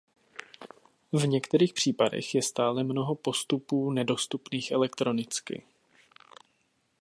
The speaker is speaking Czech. V některých případech je stále mnoho postupů nedostupných elektronicky.